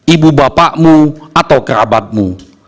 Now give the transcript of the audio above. ibu bapakmu atau kerabatmu